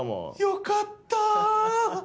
よかった！